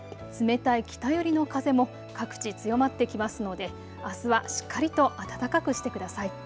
冷たい北寄りの風も各地強まってきますのであすはしっかりと暖かくしてください。